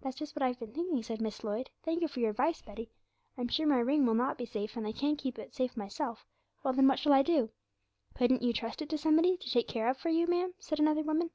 '"That's just what I've been thinking," said Miss Lloyd; "thank you for your advice, Betty. I'm sure my ring will not be safe, and I can't keep it safe myself; well then, what shall I do?" '"Couldn't you trust it to somebody, to take care of for you, ma'am?" said another woman.